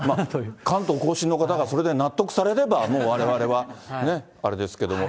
関東甲信の方がそれで納得されれば、もうわれわれはあれですけども。